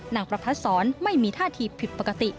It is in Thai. นางประพัฒนศรไม่มีท่าทีผิดปกติ